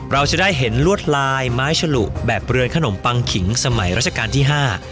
เราจะได้เห็นลวดลายไม้ฉลุแบบเรือขนมปังขิงสมัยราชการที่ห้า